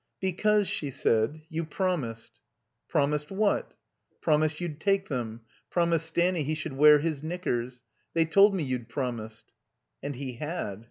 "Because," she said, "you promised." "Promised what?" "Promised you'd take them. Promised Stanny he should wear his knickers. They told me you'd promised." And he had.